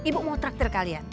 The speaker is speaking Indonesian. ibu mau traktir kalian